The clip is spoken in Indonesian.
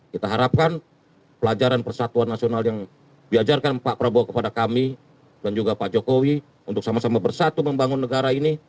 kita harapkan pelajaran persatuan nasional yang diajarkan pak prabowo kepada kami dan juga pak jokowi untuk sama sama bersatu membangun negara ini